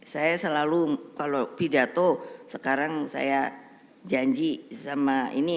saya selalu kalau pidato sekarang saya janji sama ini